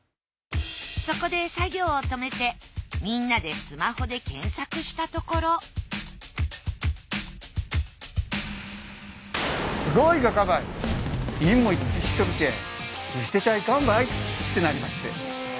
そこで作業を止めてみんなでスマホで検索したところってなりまして。